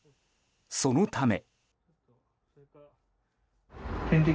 そのため。